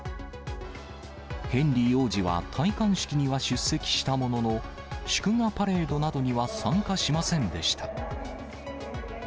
ヘンリー王子は戴冠式には出席したものの、祝賀パレードなどには参加しませんでした。